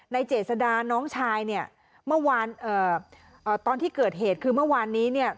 เจษดาน้องชายเนี่ยเมื่อวานเอ่อตอนที่เกิดเหตุคือเมื่อวานนี้เนี่ย